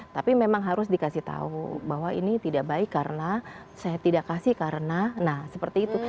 tapi memang harus dikasih tahu bahwa ini tidak baik karena saya tidak kasih karena nah seperti itu